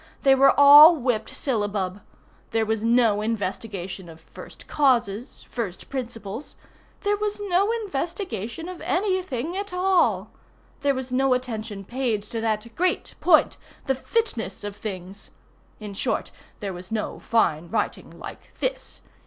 They were all whipped syllabub. There was no investigation of first causes, first principles. There was no investigation of any thing at all. There was no attention paid to that great point, the "fitness of things." In short there was no fine writing like this.